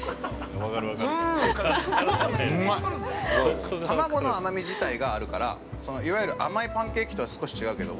うーん、うまい！卵の甘み自体があるからいわゆる甘いパンケーキとは少し違うけど。